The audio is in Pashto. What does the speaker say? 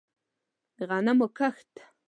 د غنمو کښت